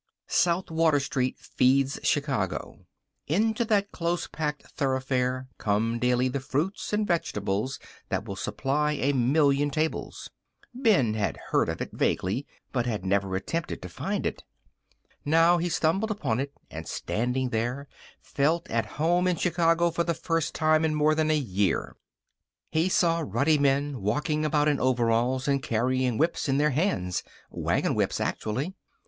South Water Street feeds Chicago. Into that close packed thoroughfare come daily the fruits and vegetables that will supply a million tables. Ben had heard of it, vaguely, but had never attempted to find it. Now he stumbled upon it and, standing there, felt at home in Chicago for the first time in more than a year. He saw ruddy men walking about in overalls and carrying whips in their hands wagon whips, actually.